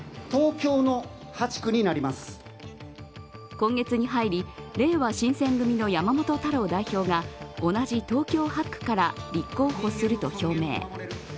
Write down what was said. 今月に入り、れいわ新選組の山本太郎代表が同じ東京８区から立候補すると表明。